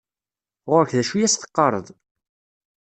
Γur-k d acu i as-teqqareḍ.